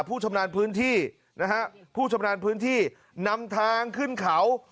ผู้ชำนาญพื้นที่นะฮะผู้ชำนาญพื้นที่นำทางขึ้นเขา